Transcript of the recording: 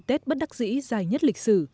tết bất đắc dĩ dài nhất lịch sử